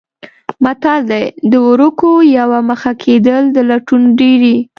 متل دی: د ورکو یوه مخه کېدل د لټون ډېرې.